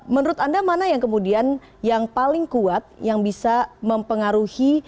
menurut anda mana yang kemudian yang paling kuat yang bisa mempengaruhi